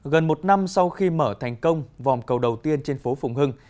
gần một năm sau khi mở thành công vòng cầu đầu tiên trên phố phụng hưng